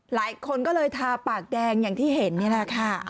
หลายคนก็เลยทาปากแดงอย่างที่เห็นนี่แหละค่ะ